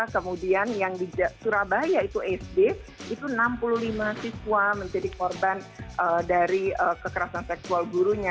kemudian yang di surabaya itu sd itu enam puluh lima siswa menjadi korban dari kekerasan seksual gurunya